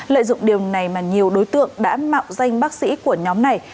lợi dụng điều này mà nhiều đối tượng đã mạo danh bác sĩ của nhóm này